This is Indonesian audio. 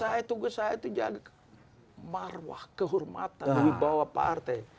saya tugas saya itu jaga marwah kehormatan di wibawa partai